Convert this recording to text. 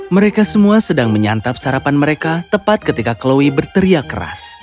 mereka semua sedang menyantap sarapan mereka tepat ketika chloe berteriak keras